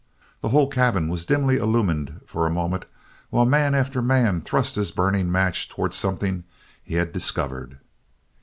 The whole cabin was dimly illumined for a moment while man after man thrust his burning match towards something he had discovered.